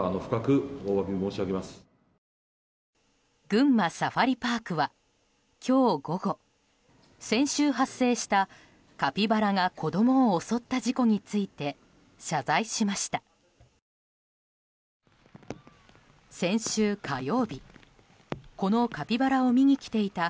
群馬サファリパークは今日午後先週発生した、カピバラが子供を襲った事故について謝罪しました。